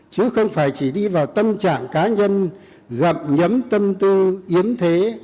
chứ không phải chỉ đi vào tâm trạng cá nhân gặp nhấm tâm tư yếm thế